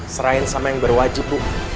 serain sama yang berwajib bu